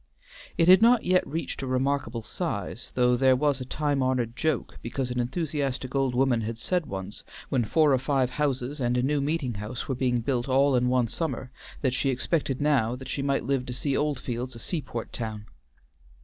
It had not yet reached a remarkable size, though there was a time honored joke because an enthusiastic old woman had said once, when four or five houses and a new meeting house were being built all in one summer, that she expected now that she might live to see Oldfields a seaport town.